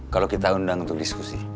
kalau kita undang untuk diskusi